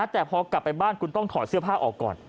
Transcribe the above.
แต่พอกลับไปบ้านคุณต้องถอดเสื้อผ้าออกก่อน